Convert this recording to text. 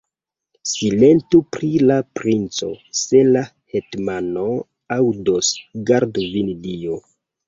Silentu pri la princo; se la hetmano aŭdos, gardu vin Dio!